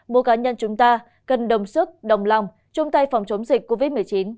mỗi cá nhân chúng ta cần đồng sức đồng lòng chung tay phòng chống dịch covid một mươi chín